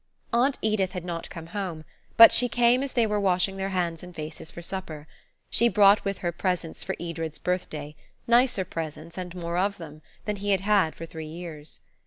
Aunt Edith had not come home, but she came as they were washing their hands and faces for supper. She brought with her presents for Edred's birthday–nicer presents, and more of them, than he had had for three years.